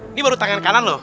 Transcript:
ini baru tangan kanan loh